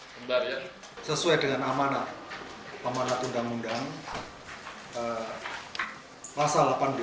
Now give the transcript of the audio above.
sesuai dengan amanat undang undang